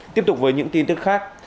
tiếp tục với những tin tức khác